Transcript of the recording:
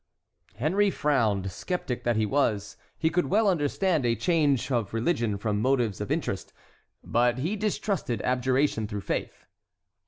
Henry frowned. Sceptic that he was, he could well understand a change of religion from motives of interest, but he distrusted abjuration through faith.